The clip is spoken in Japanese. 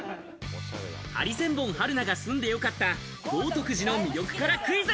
ハリセンボン・春菜が住んで良かった、豪徳寺の魅力からクイズ。